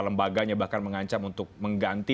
lembaganya bahkan mengancam untuk mengganti